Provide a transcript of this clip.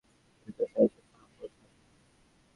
তুমি যে কেবল আমার উপকার করিতে আসিয়াছ তাহা বোধ হয় না।